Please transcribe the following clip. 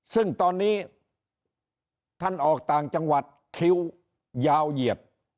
ซึ่งตอนนี้ท่านออกต่างจังหวัดคิวยาวเหยียด